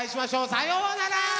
さようなら。